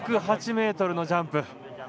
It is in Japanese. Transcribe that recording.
１０８ｍのジャンプ。